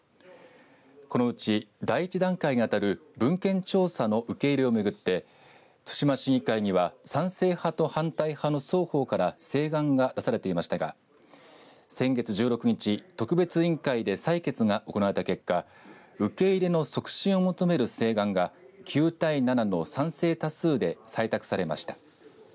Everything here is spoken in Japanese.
このうち第１段階に当たる文献調査の受け入れを巡って対馬市議会には賛成派と反対派の双方から請願が出されていましたが先月１６日特別委員会で採決が行われた結果受け入れの促進を求める請願が９対７の賛成多数で採択されました。